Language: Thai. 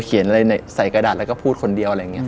อะไรใส่กระดาษแล้วก็พูดคนเดียวอะไรอย่างนี้